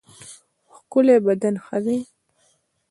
ښکلی بدن ښه دی.